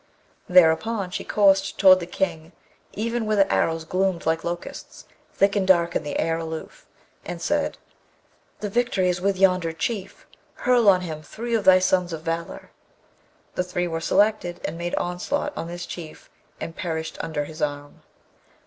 Thereupon she coursed toward the King, even where the arrows gloomed like locusts, thick and dark in the air aloof, and said, 'The victory is with yonder Chief! Hurl on him three of thy sons of valour.' The three were selected, and made onslaught on this Chief, and perished under his arm.